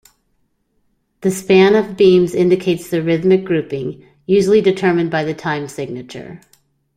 The span of beams indicates the rhythmic grouping, usually determined by the time signature.